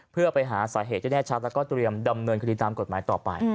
เพื่อไปหาสาเหตุที่แน่ชัดแล้วก็เตรียมดำเนินคดีตามกฎหมายต่อไป